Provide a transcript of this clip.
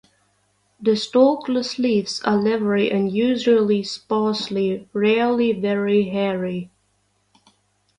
The stalkless leaves are leathery and usually sparsely (rarely very) hairy.